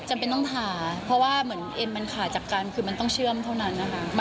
จำเป็นต้องทาเพราะว่าเหมือนเอ็นมันขาดจากกันคือมันต้องเชื่อมเท่านั้นนะคะ